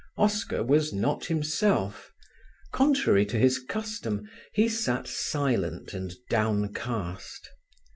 Oscar was not himself; contrary to his custom he sat silent and downcast.